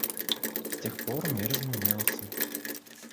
С тех пор мир изменился.